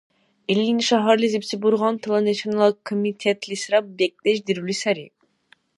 Илини шагьарлизибси бургъантала нешанала комитетлисра бекӀдеш дирули сари.